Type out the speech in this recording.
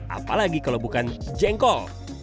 apalagi kalau bukan jengkol